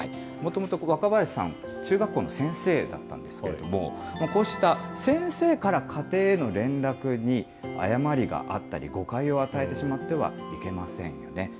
もともと若林さん、中学校の先生だったんですけれども、こうした先生から家庭への連絡に誤りがあったり、誤解を与えてしまってはいけませんよね。